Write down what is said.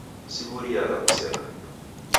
Siw'uriagha kuseka.